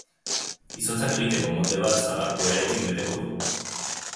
Izotzak egiteko molde bat sagar purearekin beteko dugu.